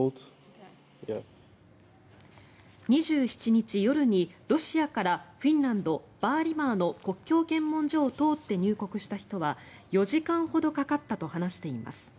２７日夜にロシアからフィンランド・バーリマーの国境検問所を通って入国した人は４時間ほどかかったと話しています。